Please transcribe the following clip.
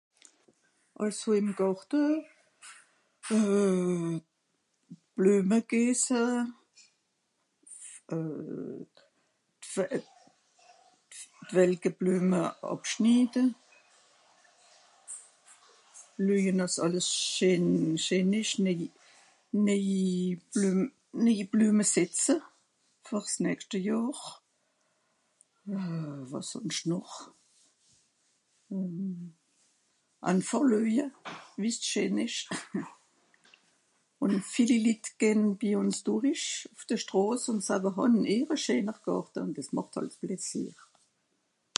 also ìm Garte euh Blueme (gése) euh (d'weltgeblueme) abschnide luejen'àss àlles scheen scheen esch neiji neiji Bluem neiji Blueme setze ver's nächste jàhr wàs sonscht noch euh einfàch lueje wie's scheen esch un vielli Lit gehn bi uns dorich ùff de stràss un sawe han er a scheener Garte un des màcht àls plaissier